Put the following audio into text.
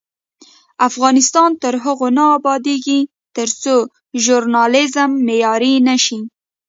افغانستان تر هغو نه ابادیږي، ترڅو ژورنالیزم معیاري نشي.